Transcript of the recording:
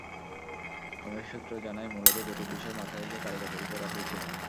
Committee সূত্র জানায়, মূলত দুটি বিষয় মাথায় রেখে তালিকা তৈরি করা হয়েছিল।